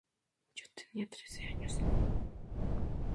Yo tenía trece años.